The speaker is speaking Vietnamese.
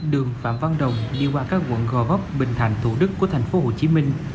đường phạm văn đồng đi qua các quận gò góp bình thành thủ đức của tp hcm